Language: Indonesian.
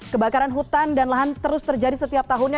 kebakaran hutan dan lahan terus terjadi setiap tahunnya